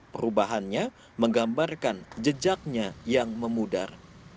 perubahannya menggambarkan jejaknya yang memudar